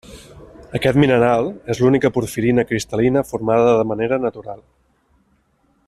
Aquest mineral és l'única porfirina cristal·lina formada de manera natural.